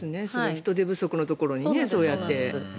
人手不足のところにそうやって。